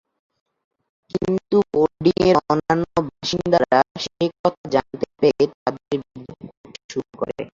কিন্তু বোর্ডিং-এর অন্যান্য বাসিন্দারা সে কথা জানতে পেরে তাদের বিদ্রুপ করতে শুরু করে।